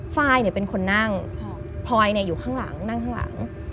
ไฟล์เป็นคนนั่งพลอยอยู่ข้างหลังนั่งข้างหลัง